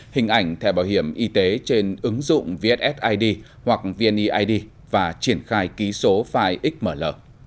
hình ảnh thẻ bảo hiểm y tế trên ứng dụng vssid hoặc vneid và triển khai ký số file xml